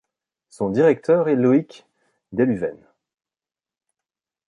Son directeur est Loic Delhuvenne.